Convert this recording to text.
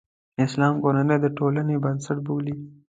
اسلام کورنۍ د ټولنې بنسټ بولي.